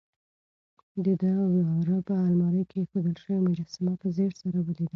د ده وراره په المارۍ کې اېښودل شوې مجسمه په ځیر سره ولیده.